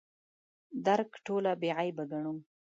درک ټوله بې عیبه ګڼو.